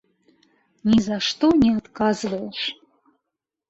Ні за што не адказваеш.